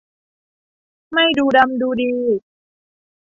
ไม่ดูดำดูดี